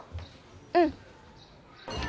うん。